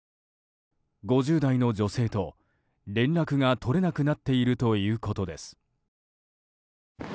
５０代の女性と連絡が取れなくなっているということです。